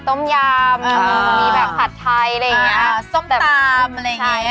ต้มยำมีแบบผัดไทยอะไรอย่างเงี้ยส้มตำอะไรอย่างเงี้ย